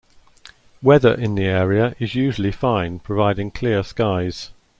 Weather in the area is usually fine providing clear skies.